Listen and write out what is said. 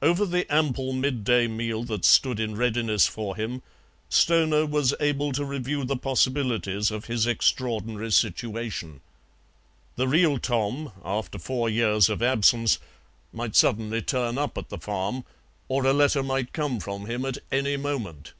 Over the ample midday meal that stood in readiness for him Stoner was able to review the possibilities of his extraordinary situation. The real Tom, after four years of absence, might suddenly turn up at the farm, or a letter might come from him at any moment.